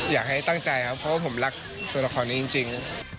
อยากให้ตั้งใจครับเพราะว่าผมรักตัวละครนี้จริง